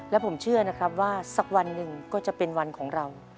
และผมเชื่อนะครับว่าสักวันหนึ่งก็จะเป็นวันของเรา